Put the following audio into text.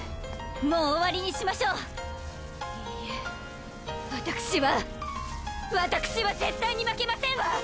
もう終わりにしましょういいえ私は私は絶対に負けませんわ！